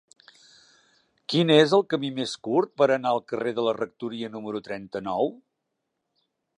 Quin és el camí més curt per anar al carrer de la Rectoria número trenta-nou?